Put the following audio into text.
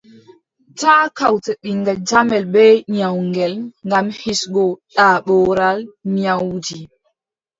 Taa kawte ɓiŋngel jamel bee nyawngel, ngam hisgo daaɓoral nyawuuji.